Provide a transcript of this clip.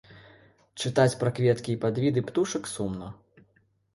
Чытаць пра кветкі і падвіды птушак сумна.